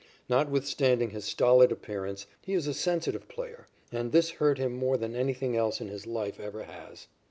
Notwithstanding his stolid appearance, he is a sensitive player, and this hurt him more than anything else in his life ever has.